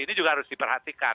ini juga harus diperhatikan